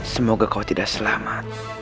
semoga kau tidak selamat